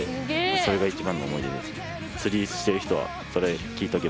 それが一番の思い出です。